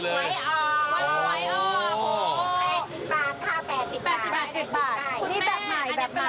สนใจค่ะคุณแม่ตอบ